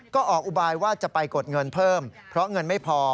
ก็ออกอุบายว่าจะไปกดเงินเพิ่มเพราะเงินไม่พอ